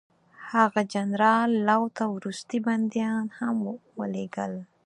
هغه جنرال لو ته وروستي بندیان هم ولېږل.